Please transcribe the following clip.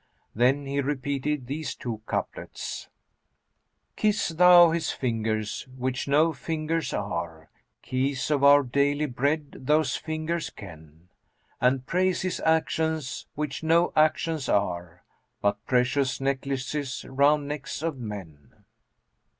Then he repeated these two couplets, "Kiss thou his fingers which no fingers are; * Keys of our daily bread those fingers ken: And praise his actions which no actions are, * But precious necklaces round necks of men."